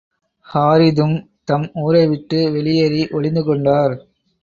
ஹாரிதும் தம் ஊரை விட்டு, வெளியேறி, ஒளிந்து கொண்டார்.